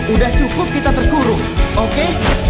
udah cukup kita terkurung oke